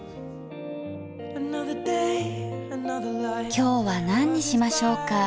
今日は何にしましょうか？